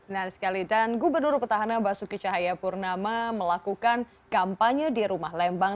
nah sekali dan gubernur petahana basuki cahayapurnama melakukan kampanye di rumah lembang